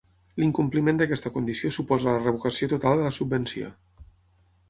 L'incompliment d'aquesta condició suposa la revocació total de la subvenció.